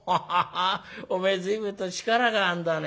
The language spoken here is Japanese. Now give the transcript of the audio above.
お前随分と力があんだね。